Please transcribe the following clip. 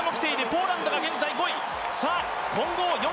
ポーランドが現在５位。